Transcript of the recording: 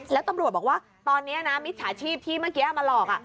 แล้วตำรวจบอกว่าตอนนี้นะมิจฉาชีพที่เมื่อกี้เอามาหลอก